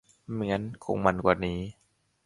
ไม่งั้นคงมันกว่านี้